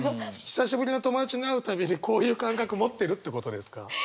久しぶりの友達に会う度にこういう感覚持ってるってことですか？